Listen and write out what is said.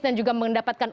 dan juga mendapatkan